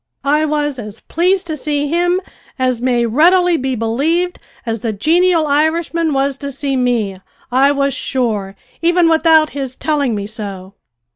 I was as pleased to see him, as may readily be believed, as the genial Irishman was to see me, I was sure, even without his telling me so.